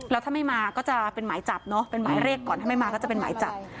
แล้วถ้าไม่มาก็จะเป็นหมายจับเนอะเป็นหมายเรียกก่อนถ้าไม่มาก็จะเป็นหมายจับ